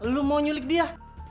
lo mau nyulik dia